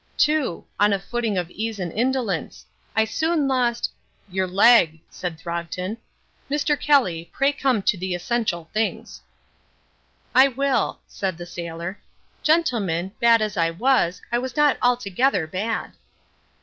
"Two on a footing of ease and indolence. I soon lost " "Your leg," said Throgton. "Mr. Kelly, pray come to the essential things." "I will," said the sailor. "Gentlemen, bad as I was, I was not altogether bad."